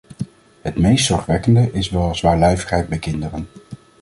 Het meest zorgwekkend is wel zwaarlijvigheid bij kinderen.